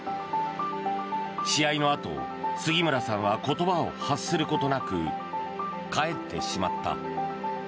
試合のあと、杉村さんは言葉を発することなく帰ってしまった。